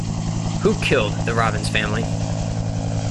Who Killed the Robins Family?